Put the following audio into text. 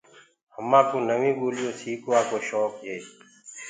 همآ ڪوُ نوينٚ ٻوليونٚ سيڪوآ ڪو شوڪ هي۔